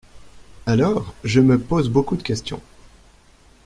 Alors, je me pose beaucoup de questions.